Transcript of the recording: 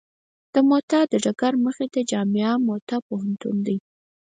د موته د ډګر مخې ته جامعه موته پوهنتون دی.